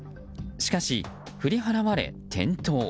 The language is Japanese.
しかし、ふり払われ転倒。